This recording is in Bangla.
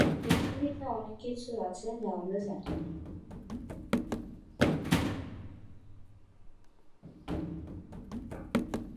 এছাড়াও তিনি "ক্যাপ্টেন ক্যানুক"-এ কাজ করেছেন।